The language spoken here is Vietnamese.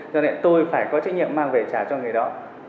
cho nên tôi phải có trách nhiệm mang về trả cho người đó